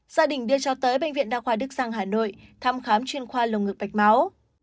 gia đình đưa cho tới bệnh viện đa khoa đức giang hà nội thăm khám chuyên khoa lồng ngực bạch máu